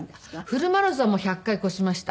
フルマラソンはもう１００回超しました。